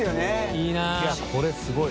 いやこれすごい。